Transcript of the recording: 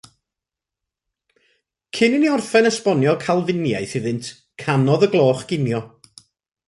Cyn i ni orffen esbonio Calfiniaeth iddynt, canodd y gloch ginio.